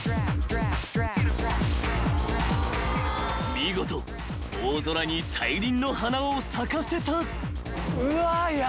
［見事大空に大輪の花を咲かせた］